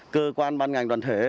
cơ quan ban ngành đoàn thể